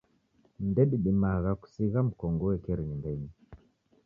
Ndedidimagha kusigha mkongo uekeri nyumbenyi.